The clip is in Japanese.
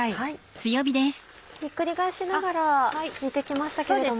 ひっくり返しながら煮て来ましたけれども。